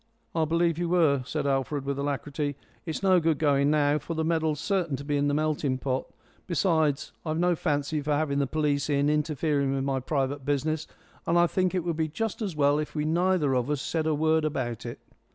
"I believe you were," said Alfred, with alacrity. "It's no good going now, for the medal's certain to be in the melting pot. Besides, I've no fancy for having the police in, interfering with my private business. And I think it would be just as well if we neither of us said a word about it."